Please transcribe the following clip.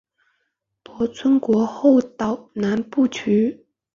泊村国后岛南部区域。